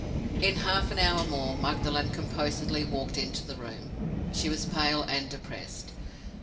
In half an hour more, Magdalen composedly walked into the room. She was pale and depressed.